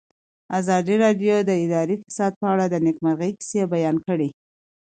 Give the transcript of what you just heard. ازادي راډیو د اداري فساد په اړه د نېکمرغۍ کیسې بیان کړې.